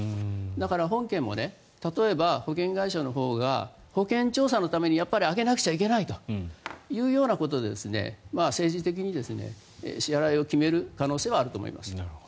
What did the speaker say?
だから本件も例えば保険会社のほうが保険調査のためにやっぱり揚げなくちゃいけないというようなことで政治的に支払いを決める可能性はあると思います。